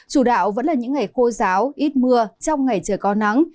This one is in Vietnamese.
chủ đạo vẫn là những ngày khô giáo ít mưa trong ngày trời có nắng